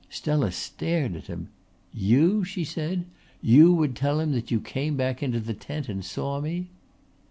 Stella stared at him. "You?" she said. "You would tell him that you came back into the tent and saw me?"